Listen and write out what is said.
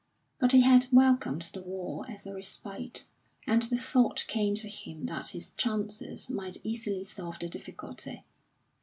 But he had welcomed the war as a respite, and the thought came to him that its chances might easily solve the difficulty.